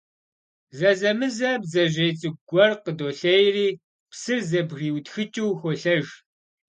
Зэзэмызэ бдзэжьей цӀыкӀу гуэр къыдолъейри, псыр зэбгриутхыкӀыу, холъэж.